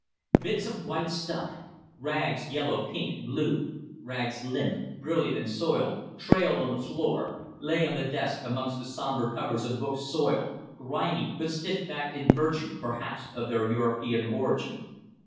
Bits of white stuff; rags yellow, pink, blue: rags limp, brilliant and soiled, trailed on the floor, lay on the desk amongst the sombre covers of books soiled, grimy, but stiff backed, in virtue, perhaps, of their European origin.